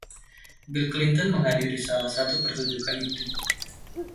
Bill Clinton menghadiri salah satu pertunjukan itu.